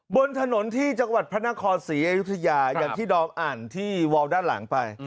บนถนนที่จังหวัดพระนครศรีอยุธยาอย่างที่ดอมอ่านที่วอลด้านหลังไป